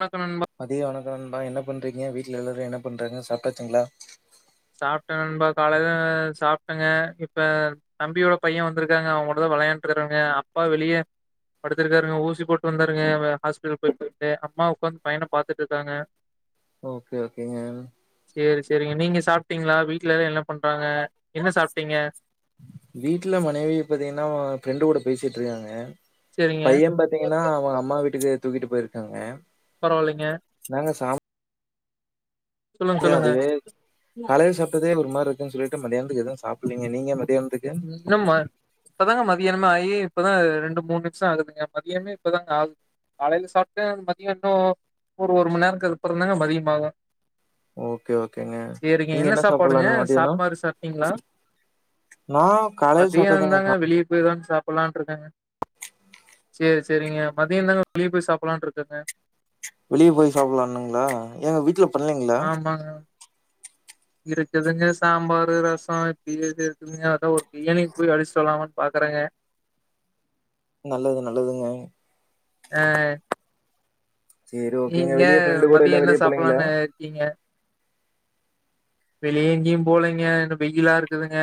வணக்கோ நண்பா மதிய வணக்கோ நண்பா என்ன பண்றீங்க வீட்ல எல்லாரு என்ன பண்றாங்க சாப்டாச்சுங்ளா சாப்டே நண்பா காலைல சாப்டங்க இப்ப தம்பியோட பைய வந்துருக்காங்க அவுங்கூடதா வெளையாண்ருக்கேங்க அப்பா வெளிய படுத்துருக்காருங்க ஊசி போட்டு வந்தாருங்க ஹாஸ்பிட்டல் போயிட்டு அம்மா உக்காந்து பையன பாத்துட் இருக்காங்க ஓகே ஓகேங்க சேரி சேரிங்க நீங்க சாப்டீங்ளா வீட்ல எல்லா என்ன பண்றாங்க என்ன சாப்டீங்க வீட்ல மனைவிய பாத்தீங்கன்னா ஃப்ரெண்டுகூட பேசிட்ருக்காங்க சேரிங்க பைய பாத் தீங்கன்னா அவ அம்மா வீட்டுக்கு தூக்கிட்டு போய்ருக்காங்க பரவாலைங்க நாங்க சாப் சொல்லுங்க சொல்லுங்க அதுவே காலைல சாப்ட்டதே ஒரு மாரி இருக்குன் சொல்லிட்டு மதியானத்துக்கு எது சாப்புல்லீங்க நீங்க மதியானத்துக் இ நம்ம இப்பதாங்க மதியானமே ஆயி இப்பதா ரெண்டு மூண் நிம்ஷோ ஆகுதுங்க மதியானமே இப்பதாங்க ஆகு காலைல சாப்டன் மதியானோ ஒரு ஒரு மண்நேரோக்கு அப்புறந்தாங்க மதியமாகு ஓகே ஓகேங்க சேரிங்க நீங்க என்ன சாப்பாடுங்க சாப்புலான மதியானோ சாப்பாடு சாப்ட்டீங்களா நா காலையில சாப்ட்டதாங்க மதியானந்தாங்க சா வெளிய போய்தா சாப் புலான் இருக்கேங்க செரி செரிங்க மதியோதாங்க வெளிய போய் சாப்புல்லான் இருக்கங்க வெளிய போய் சாப்புல்லானுங்ளா எங்க வீட்ல பண்ணலீங்களா ஆமாங்க இருக்குதுங்க சாம்பாரு ரசோ இப்டிது இருக்குதுங்க அதா ஒரு பிரியாணி போய் அடிச்சுட்டு வரலாமாணு பாக்குறேங்க நல்லது நல்லதுங்க ஆ சேரி ஓகேங்க நீங்க வெளிய ஃப்ரெண்டு கூட மதியோ எல்லா என்ன வெளிய போலீங்களா சாப்புல்லானு இருக்கீங்க வெளிய எங்கயு போலங்க இன்னு வெயிலா இருக்குதுங்க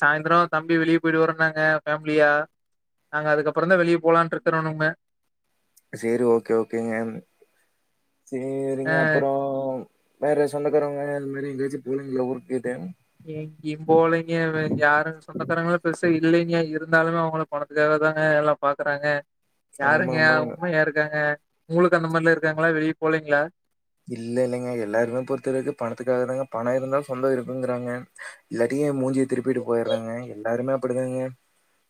சாயந்தரோ தம்பி வெளிய போய்ட்டு வரனாங்க ஃபேமிலியா நாங்க அதுக்கப்புறோதா வெளிய போலான்ட்ருக்கறோனுங்க சேரி ஓகே ஓகேங்க அ சேரிங்க அப்பறோ வேற சொந்தக்காரவங்க அந்த மாரி எங்கயாச்சும் போலிங்களா ஊருக்கு போயிட்டு எங்கியிம் போலிங்க வேற யாரும் சொந்தக்காரங்கள்ல பெருசா இல்லிங்கயா இருந்தாலுமே அவங்களுக்கு பணத்துக்காக தாங்க எல்லா பாக்குறாங்க ஆமா, யாருங்க ஆமாங்க. உண்மையாருக்காங்க உங்களுக்கு அந்த மாரிலா இருக்காங்களா வெளிய போலீங்களா இல்ல இல்லங்க எல்லாருமே பொறுத்தளவுக்கு பணத்துக்காக தாங்க பணம் இருந்தா சொந்தோ இருக்குங்கிறாங்க இல்லாட்டியும் மூஞ்சிய திருப்பிட்டு போயிருறாங்க எல்லாருமே அப்டிதாங்க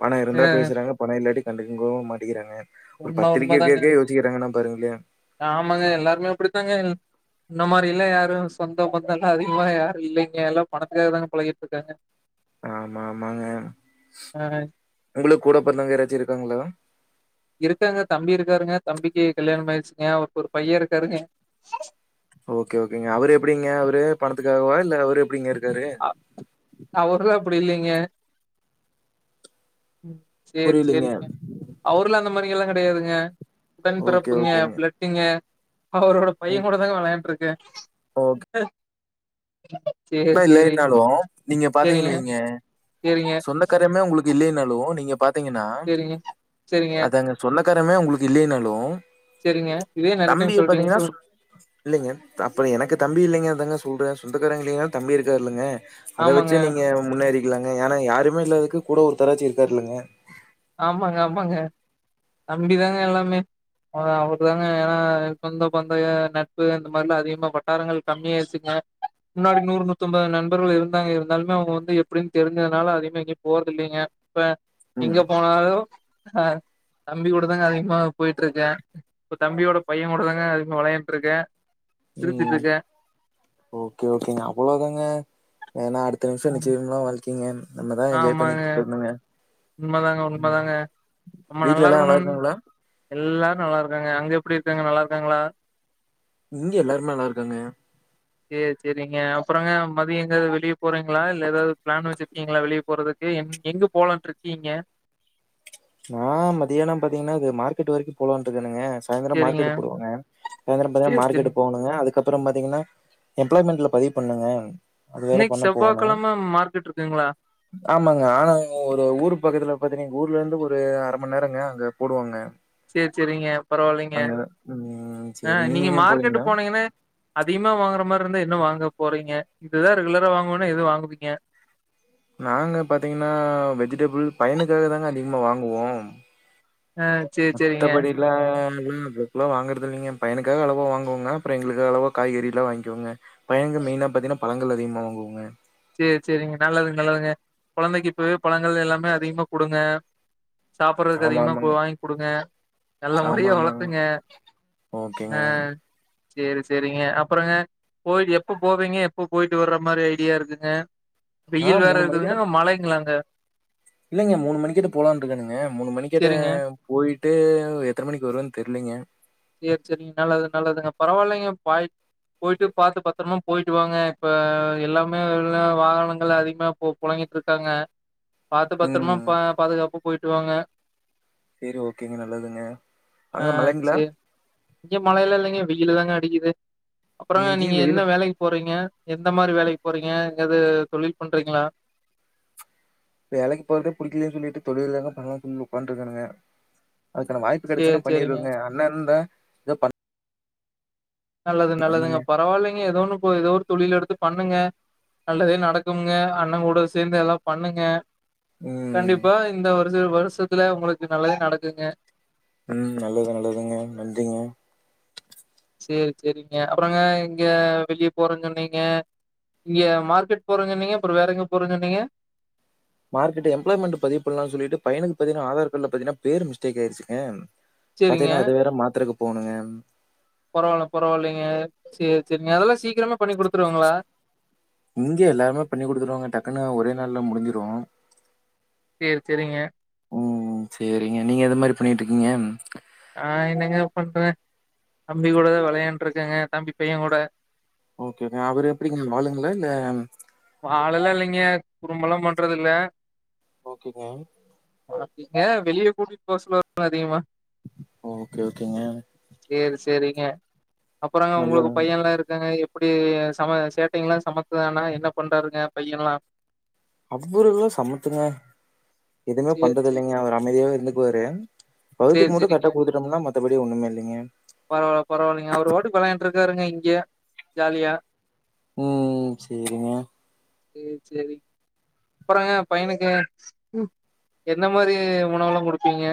பணோ இருந்தா அ பேசுறாங்க பணோ இல்லாட்டி கண்டுவும் மாட்டங்கிறாங்க ஒரு உண்ம பத்திரிக்க உண்மதாங்க வைக்ககே சிக்கிறாங்கன்னா பாருங்களே ஆமாங்க எல்லாருமே அப்டித்தாங்க முன்ன மாரி எல்லா யாரும் சொந்தம் பந்தோல்லா அதிகமா யாரம் இல்லைங்க எல்லா பணத்துக்காக தா பழகிட்டு இருக்காங்க ஆமா ஆமாங்க அ உங்களுக்கு கூட பொறந்தாங்க யாராச்சு இருக்காங்களா இருக்காங்க தம்பி இருக்காருங்க தம்பிக்கு கல்யாணம் ஆயிடுச்சுங்க அவருக்கு ஒரு பையே இருக்காருங்க ஓகே ஓகேங்க அவரு எப்டிங்க அவரு பணத்துக்காகவா இல்ல அவரு எப்டிங்க இருக்காரு அ அவரல்லா அப்டி இல்லிங்க சேரி புரியலீங்க. சேரிங்க அவரல்லா அந்த மாரிலா கெடையாதுங்க உடன் ஓகே, பிறப்புங்க ஓகேங்க. பிளட் டுங்க அவரோட ஓ பையே கூட தாங்க விளையாண்டுட்டு இருக்கே ஓகே சே இல்லைனாலும் நீங்க பாத்தீங்கன்னுவீங்க சேரிங்க சொந்த க்கரமே உங்களுக்கு இல்லனாலும் நீங்க பாத்தீங்கன்னா சேரிங்க சேரிங்க அதாங்க சொந்தக்காரமே உங்களுக்கு இல்லைனாலும் சரிங்க இதேயே நெறைய டைம் சொல்டீங்க சொல்லுங்க இல்லங்க அப்ப எனக்கு தம்பி இல்லைங்க அதாங்க சொல்றே சொந்தக்காரங்க இல்லைங்கனாலும் தம்பி இருக்காருல்லங்க அத ஆமாங்க வச்சு நீங்க முன்னேறிக்கலாங்க ஏன்னா யாருமே இல்லதுக்கு கூட ஒருத்தராச்சி இருக்காருல்லங்க ஆமாங்க ஆமாங்க தம்பிதாங்க எல்லாமே அவர் தாங்க ஏன்னா சொந்த பந்தோ நட்பு இந்த மாரில்லா அதிகமா வட்டாரங்கள் கம்மியாச்சுங்க முன்னாடி நூறு நூத்தம்பது நண்பர்கள் இருந்தாங்க இருந்தாலுமே அவங்க வந்து எப்டின்னு தெரிஞ்சதுனால அதிகமா எங்கயு போறதுல்லைங்க இப்ப ம் எங்க போனாலு ஆ தம்பி கூட தாங்க அதிகமா போயிட்டு இருக்கே இப்ப தம்பியோட பையே கூட தாங்க அதிகமா வெளையாண்ட்ருக்கே சிரிச்சுட்டு ம் இருக்கே ஓகே ஓகேங்க அவளவு தாங்க ஏனா அடுத்த நிமிஷோ ம். நிச்சயமில்லா வாழ்க் கைங்க நம்மதா என்ஜாய் பண்ணிட்டு போயிட்ணுங்க உண்ம தாங்க உண்ம தாங்க நம்ம வீட்ல எல்லா நல்லா நல்லாருக்கணுன் இருக்காங்களா எல்லாரு நல்லா இருக்காங்க அங்க எப்டி இருக்காங்க நல்லா இருக்காங்களா இங்கே எல்லாருமே நல்லா இருக்காங்க சேரி சேரிங்க அப்றங்க மதியோ எங்காவுது வெளிய போறீங்களா இல்ல எதாவுது பிளான் வச்சிருக்கீங்களா வெளிய போறது க்கு எங்க போலான்ட்ர்க்கீங்க நா மதியானம் பாத்தீங்கன்னா இது மார்கெட் வரிக்கும் போலான் இருக்கனுங்க சாயந்திரோ சேரிங்க மார்கெட் போடுவாங்க சாயந்திரோ பாத்தினா சேரி மார்கெட் சேரிங்க போணு ஆ அதுக்கப்றோ பாத்தீங்கன்னா எம்ப்ளாய்மெண்ட்ல பதிவு பண்ணுங்க இன்னிக்கு செவ்வாகெழம மார்கெட் இருக்குங்களா ஆமாங்க ஆனா எங்க ஒரு ஊர் பக்கத்துல பாத்தீனிங் எங்க ஊர்ல இருந்து ஒரு ஒரு அரமண் நேரங்க அங்க போடுவாங்க சேரி சேரிங்க பரவால்லங்க அங்க ம் ஆ சரிங்க. நீங்க எங்கேயும் போலீங்களா? மார்கெட் போனீங்கன்னா அதிகமா வாங்குற மாரி இருந்தா என்ன வாங்க போறீங்க இதுதா ரெகுலரா வாங்குவெனா எது வாங்குவீங்க நாங்க பாத்திங்னா வெஜிடபுள் பையனுக்காக தாங்க அதிகமா வாங்குவோ ஆ சேரி சேரிங்க மத்தபடி இல்ல [inaudible] எல்லா வாங்குறது இல்லிங்க என் பையனுக்காக அளவோ வாங்குவோங்க அப்றோ எங்ளுக்கு அளவா காய்கறி எல்லா வாங்கிக்வோங்க பையனுக்கு மெயினா பாத்திங்னா பழங்கள் அதிகமா வாங்குவோங்க சேரி சேரிங்க நல்லதுங்க நல்லதுங்க கொழந்தைக்கு இப்பவே பழங்கள் எல்லாமே அதிகமா குடுங்க சாப்புர்றதுக்கு ஆமா, அதிகமா கு ஆமாங்க. வாங்கி குடுங்க நல்ல ஆமா, முறையா ஆமாங்க. வளத்துங்க ஓகேங்க சேரி சேரிங்க அப்றங்க போய் எப்ப போவிங்க எப்ப போயிட்டு வர்ற மாரி ஐடியா இருக்கு ங்க ஆ வெயில் வேற இருக்குதுங்க அங்க மழைங்ளாங்க இல்லங்க மூணு மணிகிட்ட போலானு இருக்கனுங்க மூணு மணி கெட்ட செரிங்க போயிட்டு எத்தன மணிக்கு வருவன் தெர்லிங்க சேரி சேரிங்க நல்லது நல்லதுங்க பரவால்லிங்க பாய் போயிட்டு பாத்து பத்ரமா போயிட்டு வாங்க இப்ப எல்லாமே வெள்ல வாகனங்கள் அதிகமா போகு பொழங்கிட்ருக்காங்க பாத்து பத்தரமா ம். ப பாதுகாப்பா போயிட்டு வாங்க சேரி ஓகேங்க நல்லதுங்க அங்க மழைங்ளா சேரி இங்க மழையெல்லா இல்லங்க வெயிலுதாங்க அடிக்குது அப்றங்க நீங்க இங்கேயும் வெயிலு என்ன வேலைக்கு போறீங்க எந்த மாரி வேலைக்கு போறீங்க எங்காது தொழில் பண்றீங்ளா வேலைக்கு போறதே புடிக்லேன் சொல்லிட்டு தொழில் எதா பண்லான் சொல்லி ஒக்கான்ட்ருக்கனுங்க அதுக்கான வாய்ப்பு சேரி கெடைச்சினா சேரிங்க பண்ணிருவங்க அண்ண இருந்தா நல்லது நல்லதுங்க பண்ணுங்க. பரவாலிங்க எதோ ஒன்னு போது எதோ ஒரு தொழில் எடுத்து பண்ணுங்க நல்லதே நடக்கும்ங்க அண்ண கூட சேந்து எல்லா பண்ணுங்க ம். கண்டிப்பா இந்த வருச வருஷத்துல உங்ளுக்கு நல்லதே நடக்குங்க ம் நல்லது நல்லதுங்க நன்றிங்க சேரி சேரிங்க அப்றங்க இங்க வெளிய போறன் சொன்னீங்க இங்க மார்கெட் போறன் சொன்னீங்க அப்றோ வேற எங்க போற சொன்னீங்க மார்கெட்டு எப்ளாய்மெண்ட் பதிவு பண்லான் சொல்லிட்டு பையனுக்கு பாத்தினா ஆதார் கார்ட்ல பாத்தினா பேரு மிஸ்டேக் ஆயிருச்சிங்க சேரிங்க. பாத்தினா அது வேற மாத்துறக்கு போணுங்க பரவால்ல பரவால்லைங்க சேரி சேரிங்க அதெல்லா சீக்ரமே பண்ணி குடுத்துருவாங்களா இங்க எல்லாருமே பண்ணி குடுத்துருவாங்க டக்குன்னு ஒரே நாள்ல முடிஞ்சிரு சேரி செரிங்க ம் சேரிங்க நீங்க எது மாரி பண்ணிட்ருக்கீங்க நா என்னங்க பண்றே தம்பி கூடதா வெளயாண்ட்ருக்கங்க தம்பி பையங்கூட ஓகேங்க அவரு எப்டிங்க வாலுங்களா இல்ல வாலெல்லா இல்லிங்க குறும்பல்லா பண்றது இல்ல ஓகேங்க [unintelligible] வெளிய கூட்டிட் போ சொல்லுவாருங்க அதிகமா ஓகே ஓகேங்க சேரி சேரிங்க அப்றங்க உங்ளுக்கு நல்லது பையல்லா இருக்காங்க எப் எப்டி சம சேட்டைங்லா சமத்துதானா என்ன பண்றாருங்க பையன்லா அவ்ரு எல்லா சமத்துங்க எதுமே சேரி, பண்றது சேரி. இல்லைங்க அவரு அமைதியாவே இருந்துக்குவாரு சேரி வவுத்துக்கு மட்டு சேரிங்க. கரெட்டா குடுத்துட்டம்னா மத்தபடி ஒன்னுமே இல்லைங்க பரவால்ல பரவால்லைங்க அவரு பாட்டுக்கு வெளயாண்டுட்டு இருக்காருங்க இங்க ஜாலியா ம் ம் சேரிங்க சேரி சேரிங்க அப்பறங்க பையனுக்கு எந்த மாரி உணவுலா குடுப்பிங்க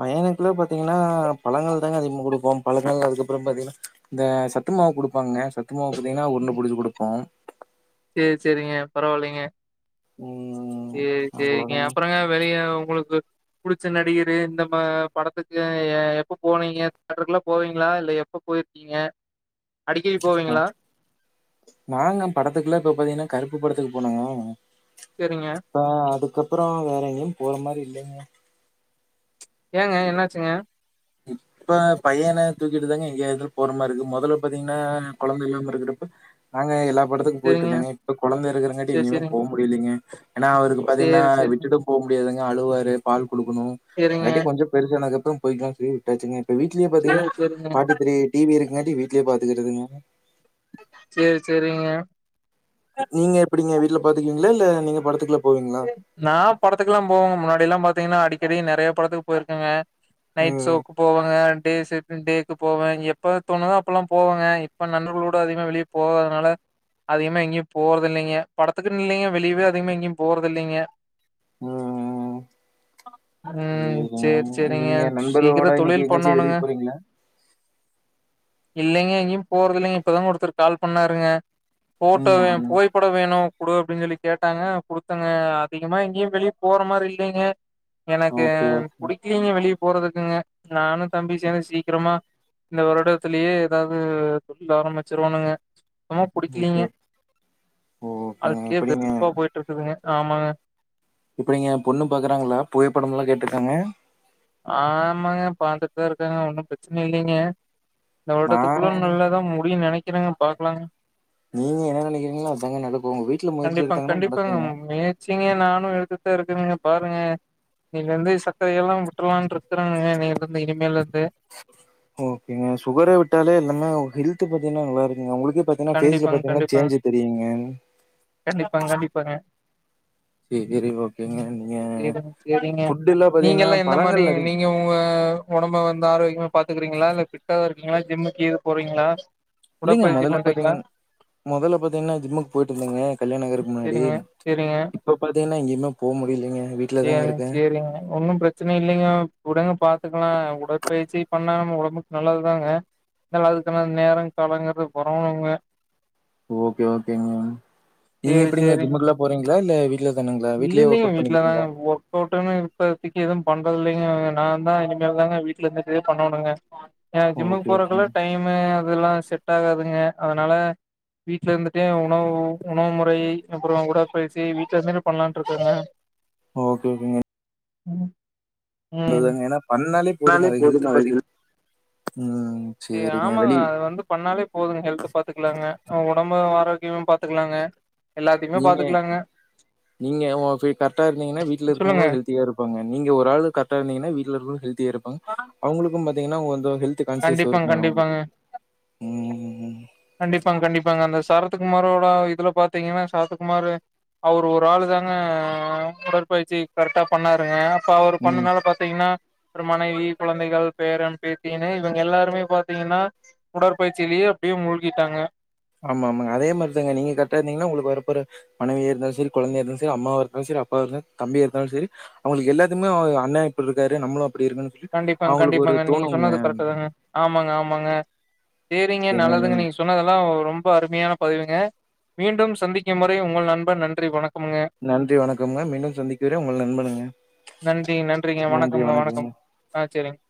பையனுக்கு எல்லா பாத்தீங்னா பழங்கள் தாங்க அதிகமா குடுப்போ பழங்கள் அதுக்கப்றோ பாத்தீங்னா இந்த சத்து மாவு குடுப்பாங்க சத்து மாவு பாத்தீங்கன்னா ஒண்ணு புடுச்சு குடுப்போ சேரி சேரிங்க பரவாயில்லைங்க ம் சேரி சேரிங்க அவ்ளோதாங்க அப்பறங்க வெளிய உங்களுக்கு புடிச்ச நடிகரு இந்த ப படத்துக்கு எப்போ போனீங்க தேட்டருக்கெல்லா போவீங்ளா இல்ல எப்ப போயி நீங்க அடிக்கடி அ போவீங்ளா நாங்க படத்துக்கெல்லா இப்ப பாத்தீங்கன்னா கருப்பு படத்துக்கு போனோ சேரிங்க இப்ப அதுக்கப்றோ வேற எங்கயும் போற மாரி இல்லைங்க ஏங்க என்னாச்சுங்க இப்ப பையன தூக்கிட்டுதாங்க எங்கேயாது போற மாரி இருக்கு மொதல்ல பாத்தீங்னா கொழந்த இல்லாம இருக்கிறப்ப நாங்க எல்லா படத்துக்கு போயிட்டு சேரிங்க. இருந்தோங்க இப்ப கொழந்த இருக்கறங்காட்டி சேரி எங்கேமே சேரிங்க. போ முடிலீங்க ஏனா அவருக்கு பாத்தீங்னா சேரி சேரிங்க. விட்டுட்டு போ முடியாதுங்க அழுவாரு பால் குடுக்கணு சேரிங்க. அங்காட்டி கொஞ்சோ பெருசானதக்கப்றோ போயிக்கலான் சொல்லி விட்டாச்சுங்க இப்ப வீட்லயு பாத்தீங்னா சேரி சேரிங்க. ஃபார்ட்டி த்ரீ டி வி இருக்கிறங்காட்டி வீட்லயே பாத்துக்கறதுங்க சேரி சேரிங்க நீங்க எப்டிங்க வீட்ல பாத்துக்குவீங்ளா இல்ல நீங்க படத்துக்கெல்லா போவீங்ளா நா படத்துக்கெல்லா போவங்க முன்னாடி எல்லாம் பாத்தீங்னா அடிக்கடி நெறையா படத்துக்கு போயிருக்கங்க நைட் ஷோ ம். போவங்க டே ஷிப்ட் டேக் போவன் எப்ப தோணுதோ அப்பல்லா போவங்க இப்ப நண்பர்களோட அதிகமா வெளிய போகாதுனால அதிகமா எங்கேயும் போறதில்லைங்க படத்துக்குன்னு இல்லைங்க வெளியவே அதிகமா எங்யு போறதில்லைங்க ம். ம் சரிங்க. சேரி சேரிங்க நீங்க சீக்கிரோ நண்பர்களோட இன்னைக்கு தொழில் எங்கேயாச்சும் வெளிய பண்ணோணுங்க போறீங்களா? இல்லைங்க எங்கேயும் போறதில்லைங்க இப்பதான் ஒருத்தரு கால் பண்ணாருங்க போட்டோ ம். வே ம். புகைப்படம் வேணு குடு அப்டின்னு சொல்லி கேட்டாங்க குடு த்தங்க அதிகமா எங்கயு வெளிய போற மாரி இல்லைங்க எனக்கு ஓகே, ஓகே, புடி க்கலைங்க வெளிய போறதுக்குங்க நானு தம்பியு சேந்து சீக்கிரமா இந்த வருடத்திலயே எதாவது தொழில் ஆரம்பிச்சிரோனுங்க சுத்தமா ஓகே. புடிக்கலைங்க ஓகேங்க வாழ்க்கையே எப்படிங்க வெருப்பா போயிட்டு இருக்குதுங்க ஆமாங்க எப்டிங்க பொண்ணு பாக்கறாங்ளா புகைபடமெல்லா கேட்டிருக்காங்க ஆமாங்க பாத்துட்டுதா இருக்காங்க ஒன்னு பிரச்சனை இல்லைங்க இந்த நான் வருடத்துக்குள்ள நல்லாதா முடியுனு நெனைக்கிறன்ங்க பாக்கலாங் நீங்க என்ன நெனைக்கிறீங்ளோ அதாங்க நடக்கு உங்க வீட்ல முயற்சி எடுத்தாங்கன்னா நடக்குங்க முயற்ச்சீங்க நானு எடுத்துட்டுதா இருக்கங்க பாருங்க இன்னிலந்து சக்கர எல்லா விட்றலான்ட்டு இருக்கறங்க இன்னைலந்து இனிமேலுந்து ஓகேங்க சுகரே விட்டாலே எல்லாமே ஹெல்த் பாத்தீங்னா நல்லா இருக்குங்க உங்களுக்கே பா த்தீங்னா ஃபேஸ்ல கண்டிப்பாங்க, பாத்தீங்னா கண்டிப்பாங்க. சேஞ்சு தெரியுங்க கண்டிப்பாங்க கண்டிப்பாங்க சரி ஓகேங்க நீங்க சேரி சேரிங்க ஃபுட் எல்லாம் நீங்க பாத்தீங்கன்னா எல்லா எந்த மாரி பழங்கள் நீ அதிகம் ங்க உங்க ஒடம்ப வந்து ஆரோக்கியமா பாத்துக்கறீங்ளா இல்ல ஃபிட்டாாதா இருக்கீங்ளா ஜிம்க்கு கீது போறீங்ளா இல்லைங்க மொதல்ல பாத்தீங்னா மொதல்ல பாத்தீங்னா ஜிம்முக்கு போயிட்டு இருந்தங்க கல்யாணோ ஆகறக்கு முன்னாடி சரிங்க, சரிங்க. இப்ப பாத்தீங்னா எஙியுமே போ முடிலீங்க வீ சேரிங்க சேரிங்க ஒன்னு பிர ச்சன இல்லைங்க விடுங்க பாத்துக்லா உடற்பயிற்சி பண்ணா நம்ம ஒடம்புக்கு நல்லதுதாங்க ந வாழ்க்கனா நேரோ காலோங்றது பொருந்தணூங்க ஓகே ஓகேங்க நீங்க சேரி எப்பிடிங்க சேரிங்க ஜிம்முக்குல்லா போறெங்ளா இல்ல வீட்லயே தானுங்ளா வீட்லயே ஒர்க்கவுட் பண்ணி இல்லங்க ஒர்க்கவுட்டூனு இப்பாத்தைக்கு எது பண்றதில்லைங்க நாந்தா இனிமேல் தாங்க வீட்ல செஞ்சே பண்ணோனுங்க எனக் ஜிம்முக் ஓகே ஓகேங்க போறக்குல்லா டைமூ அதுல்லா செட் ஆகாதுங்க அதனால வீட்லருந்துட்டே உணவு உணவு முறை அப்பறோ உடற்பயிற்சி வீட்ல இருந்துட்டு பண்லான்ட்ருக்கங்க ஓகே ஓகேங்க உம் அதுதாங்க. ஏன்னா பண்ணாலே னாலே அது ஹெல்த் போதுங்க அது பார்த்தீங்கன்னா ம் ஏ சரிங்க. ஆமாங்க வெளி அது வந்து பண்ணாலே போதுங் ஹெல்த்த பாத்துக்குலாங்க அ ஒடம்ப ஆரோக்யமா பாத்துக்லாங்க நீங்க நீங்க ஓ ஃபீ கரெட்டா இருந்திங்கனா வீட்ல சொல்லுங்க இருக்கவங்களூ ஹெல்த்தியாரு பாங்க நீங்க ஒரு ஆளு கரெட்டா இருந்திங்கனா வீட்ல இருக்கவங்களு ஹெல்தியா இருப்பாங்க அவங்களுக்கு பாத்தெங்கனா கொஞ்சோ ஹெல்த்து கான்ஷியஸ் கண்டிப்பாங் இருக்குங்க கண்டிப்பாங்க ம், கண்டிப்பாங் கண்டிப்பாங்க அந்த சரத்து குமாரோட இதுல பாத்தெங்கனா சரத்து குமாரு அவரு ஒராளுதாங்க உடற்பயிற்சி கரெட்டா பண்ணாருங்க இப்ப அவரு ம். பண்ணனால பாத்திங்கனா ஒரு மனைவி குழந்தைகள் பேரன் பேத் தீனு இவங்க எல்லாருமே பாத்திங்கனா உடற்பயிற்சிலயே அப்டியே மூழ்கிட்டாங்க ஆமா ஆமாங்க அதே மாரிதாங்க நீங்க கரெக்டா இருந்திங்கனா உங்களுக்கு வரப்போற மனைவியா இருந்தாலு செரி கொழந்தைய இருந்தா செரி அம்மாவா இருந்தாலு செரி அப்பாவா இருந்தாலு தம்பியா இருந்தாலு செரி அவங்களுக் எல்லாத்துக்மே ஓ அண்ணா இப்புட்ருக்காரு நம்மளு அப்டி இருக்கனூ கண்டிப்பாங் கண்டிப்பாங்க நீங்க சொன்னது கரெட்டு தாங்க ஆமாங்க ஆமாங்க சேரிங்க ஓகேங்க. நல்லதுங்க நன் நீங்க சொன்னதெல்லாவ் ரொம்ப அருமையான பதிவுங்க மீண்டும் சந்திக்கும் வரை உங்கள் நண்பன் நன்றி வணக்கமுங்க நன்றி வணக்கமுங்க மீண்டும் சந்திக் வரை உங்க நண்பனுங்க நன்றி நன்றிங்க நன்றி வணக்கம்ங்க வணக்கம் ஆ சேரிங்